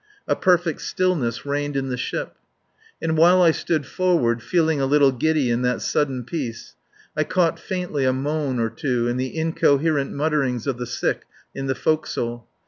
A perfect stillness reigned in the ship. And while I stood forward feeling a little giddy in that sudden peace, I caught faintly a moan or two and the incoherent mutterings of the sick in the forecastle.